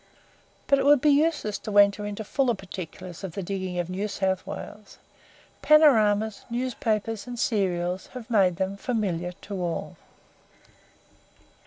But it would be useless to enter into fuller particulars of the diggings of New South Wales. Panoramas, newspapers, and serials have made them familiar to all.